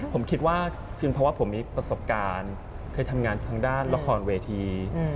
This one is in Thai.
ผมคิดว่าเป็นเพราะว่าผมมีประสบการณ์เคยทำงานทางด้านละครเวที